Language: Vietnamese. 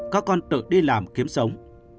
các con tự đi làm kiếm sống